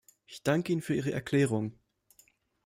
Ich danke Ihnen für Ihre Erklärung.